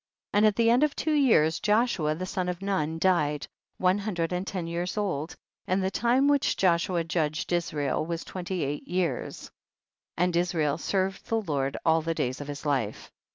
47. And at the end of two years, Joshua the son of Nun died, one hun dred and ten years old, and the time which Joshua judged Israel was twenty eight years, and Israel served the Lord all the days of his life.